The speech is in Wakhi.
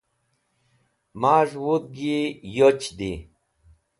maz̃h wudg yi yoch di